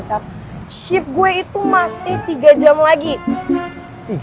kecap shift gue itu masih tiga jam lagi